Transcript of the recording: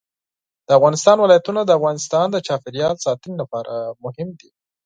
د افغانستان ولايتونه د افغانستان د چاپیریال ساتنې لپاره مهم دي.